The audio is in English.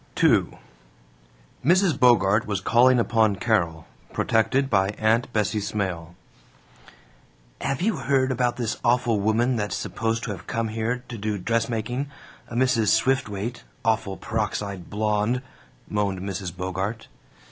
II Mrs. Bogart was calling upon Carol, protected by Aunt Bessie Smail. "Have you heard about this awful woman that's supposed to have come here to do dressmaking a Mrs. Swiftwaite awful peroxide blonde?" moaned Mrs. Bogart.